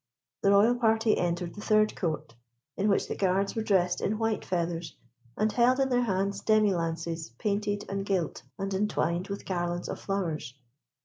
The royal party entered the third court, in which the guards were dressed in white feathers, and held in their hands demi lances painted and gilt, and entwined with garlands of flowers.